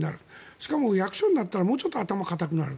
しかも役所になったらもうちょっと頭が固くなる。